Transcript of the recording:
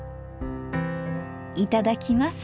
いただきます。